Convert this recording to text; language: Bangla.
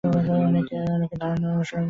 অনেকক্ষণ ধরেই আমাকে অনুসরণ করছেন কেন?